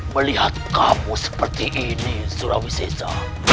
melihat kamu seperti ini surawi sesa